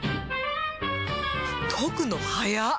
解くのはやっ！